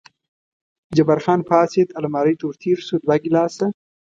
جبار خان پاڅېد، المارۍ ته ور تېر شو، دوه ګیلاسه.